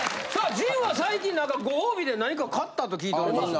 陣は最近なんかご褒美で何か買ったと聞いておりますが？